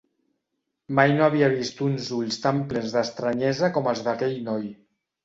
Mai no havia vist uns ulls tan plens d'estranyesa com els d'aquell noi.